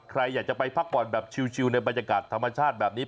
ใครอยากจะไปพักผ่อนแบบชิลในบรรยากาศธรรมชาติแบบนี้